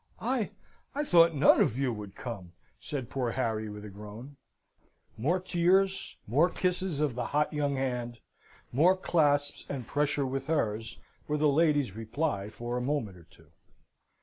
"I I thought none of you would come!" said poor Harry, with a groan. More tears, more kisses of the hot young hand, more clasps and pressure with hers, were the lady's reply for a moment or two.